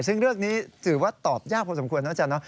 ซึ่งเรื่องนี้ถือว่าตอบยากพอสมควรนะอาจารย์